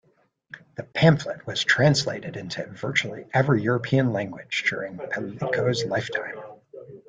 The pamphlet was translated into virtually every European language during Pellico's lifetime.